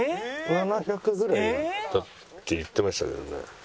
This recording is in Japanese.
だって言ってましたけどね。